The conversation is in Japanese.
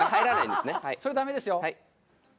それはダメですよ。